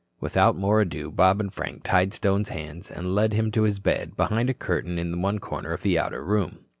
Without more ado, Bob and Frank tied Stone's hands and led him to his bed, behind a curtain in one corner of the outer room.